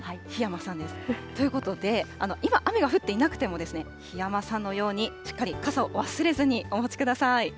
檜山さん。ということで、今、雨が降っていなくても、檜山さんのように、しっかり傘を忘れずにお持ちください。